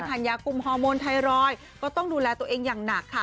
ัญญากุมฮอร์โมนไทรอยด์ก็ต้องดูแลตัวเองอย่างหนักค่ะ